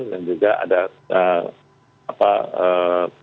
dan juga ada kendaraan api sebajak di situ